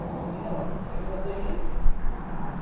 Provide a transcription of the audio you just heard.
Yenna-d, Tḥemmleḍ-iyi?